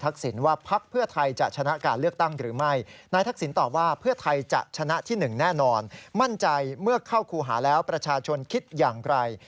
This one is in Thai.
ก็คู่หาแล้วประชาชนคิดอย่างไร